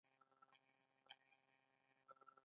د مينې د خبرو په ختمېدو هغه له ځايه پورته شو.